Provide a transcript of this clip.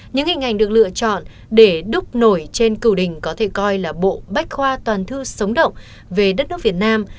những hình ảnh được lựa chọn để đúc nổi trên cửu đỉnh có thể coi là bộ bách khoa toàn thư sống động về đất nước việt nam